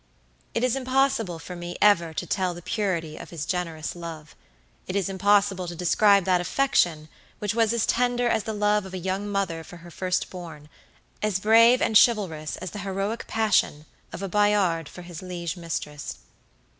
It is impossible for me ever to tell the purity of his generous loveit is impossible to describe that affection which was as tender as the love of a young mother for her first born, as brave and chivalrous as the heroic passion of a Bayard for his liege mistress.